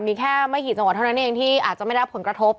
มีแค่ไม่กี่จังหวัดที่มีอาจจะไม่ได้ผลกระทบ